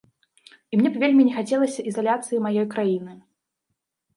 І мне б вельмі не хацелася ізаляцыі маёй краіны.